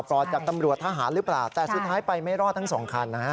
รอดจากตำรวจทหารหรือเปล่าแต่สุดท้ายไปไม่รอดทั้งสองคันนะฮะ